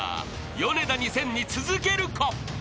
［ヨネダ２０００に続けるか？］